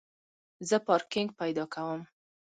زه پارکینګ پیدا کوم